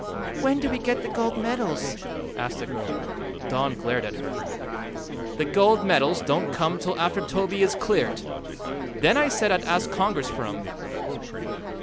"When do we get the gold medals?" asked a girl. Don glared at her. "The gold medals don't come till after Toby is cleared. Then I said I'd ask Congress for 'em."